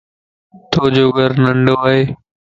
تو جو گھر ننڊوائي